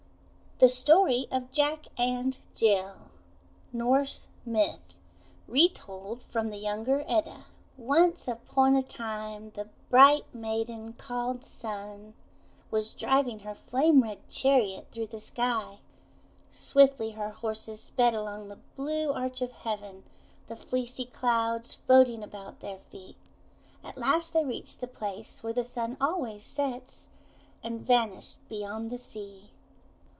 THE STORY OF JACK AND JILL Norse Myth Retold from the Younger Edda ONCE upon a time, the bright maiden, called Sun, was driving her flame red chariot through THE STORY OF JACK AND JILL 253 the sky. Swiftly her horses sped along the blue arch of heaven, the fleecy clouds floating about their feet. At last they reached the place where the Sun always sets, and vanished beyond the sea.